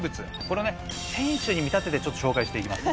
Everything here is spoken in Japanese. これね選手に見立ててちょっと紹介していきます。